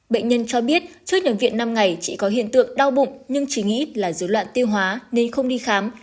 bệnh nhân cho biết trước nhóm viện năm ngày chỉ có hiện tượng đau bụng nhưng chỉ nghĩ là dấu loạn tiêu hóa nên không đi khám